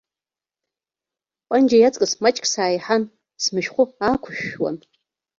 Панџьа иаҵкыс маҷк сааиҳан, смышәхәы аақәышәшәуан.